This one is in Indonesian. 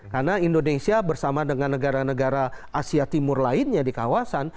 karena indonesia bersama dengan negara negara asia timur lainnya di kawasan